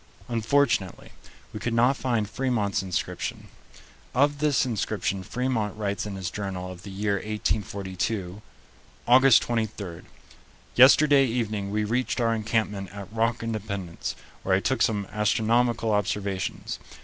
Unfortunately, we could not find Fremont's inscription. Of this inscription Fremont writes in his journal of the year 1842: "August 23. Yesterday evening we reached our encampment at Rock Independence, where I took some astronomical observations.